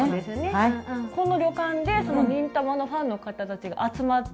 この旅館でその「忍たま」のファンの方たちが集まって。